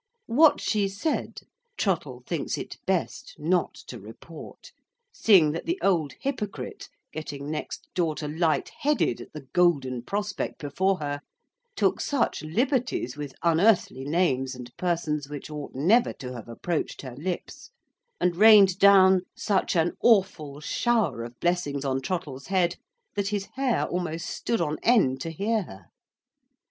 What she said Trottle thinks it best not to report, seeing that the old hypocrite, getting next door to light headed at the golden prospect before her, took such liberties with unearthly names and persons which ought never to have approached her lips, and rained down such an awful shower of blessings on Trottle's head, that his hair almost stood on end to hear her.